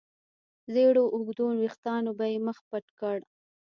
زېړو اوږدو وېښتانو به يې مخ پټ کړ.